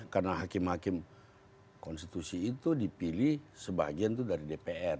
karena hakim hakim konstitusi itu dipilih sebagian itu dari dpr